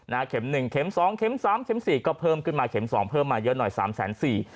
เข็มหนึ่งเข็มสองเข็มสามเข็มสี่ก็เพิ่มขึ้นมาเข็มสองเพิ่มมาเยอะหน่อยสามแสนสี่